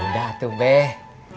ya udah atubeh